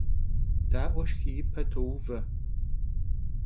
Da'ue şşxiipe touve.